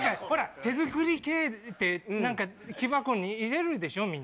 ほら手作り系って何か木箱に入れるでしょ？